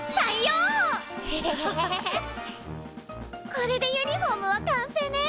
これでユニフォームは完成ね！